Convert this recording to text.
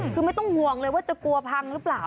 คือไม่ต้องห่วงเลยว่าจะกลัวพังหรือเปล่า